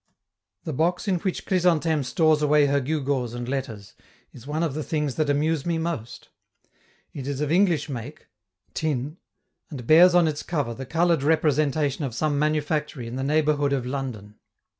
The box in which Chrysantheme stores away her gewgaws and letters, is one of the things that amuse me most; it is of English make, tin, and bears on its cover the colored representation of some manufactory in the neighborhood of London.